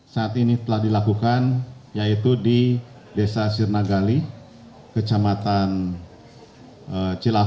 saat ini telah dilakukan yaitu di desa sirna galih kecamatan cilaku